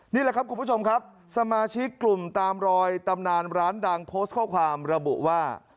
นี่แหละครับคุณผู้ชมครับสมาชิกกลุ่มตามรอยตำนานร้านดังโพสต์ข้อความระบุว่า